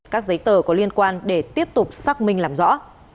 các giấy tờ có liên quan để tiếp tục xác minh làm rõ